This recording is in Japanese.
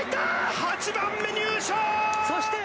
８番目、入賞！